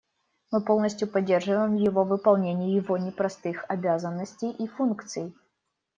Мы полностью поддерживаем его в выполнении его непростых обязанностей и функций.